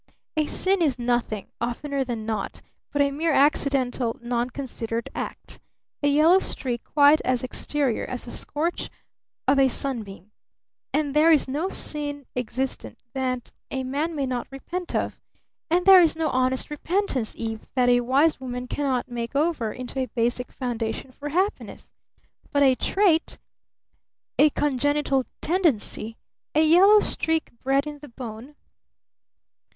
"A sin is nothing, oftener than not, but a mere accidental, non considered act! A yellow streak quite as exterior as the scorch of a sunbeam. And there is no sin existent that a man may not repent of! And there is no honest repentance, Eve, that a wise woman cannot make over into a basic foundation for happiness! But a trait? A congenital tendency? A yellow streak bred in the bone?